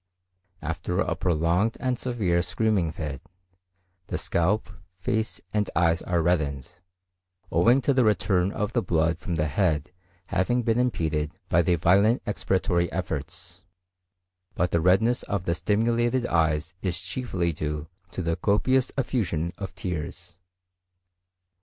After a prolonged and severe screaming fit, the scalp, face, and eyes are reddened, owing to the return of the blood from the head having been impeded by the violent expiratory efforts; but the redness of the stimulated eyes is chiefly due to the copious effusion of tears.